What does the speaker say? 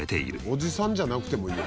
おじさんじゃなくてもいいやん。